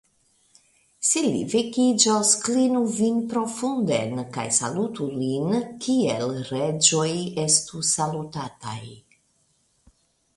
Se li vekiĝos, klinu vin profunden, kaj salutu lin, kiel reĝoj estu salutataj!